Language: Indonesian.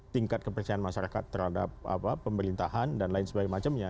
tingkat kepercayaan masyarakat terhadap pemerintahan dan lain sebagainya